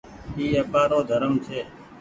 اي آپآرو ڌرم ڇي۔